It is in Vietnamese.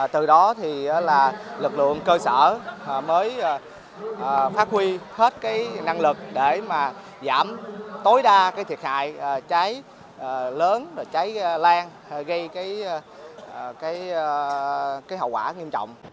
từ đó lực lượng cơ sở mới phát huy hết năng lực để giảm tối đa thiệt hại cháy lớn cháy lan gây hậu quả nghiêm trọng